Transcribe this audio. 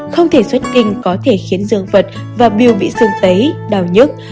không thể xuất tình có thể khiến dương vật và biểu bị sương tấy đào nhức